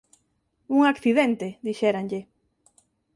Un accidente, dixéranlle.